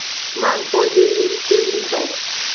Magbondeme keng.